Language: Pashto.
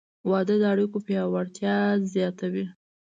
• واده د اړیکو پیاوړتیا زیاتوي.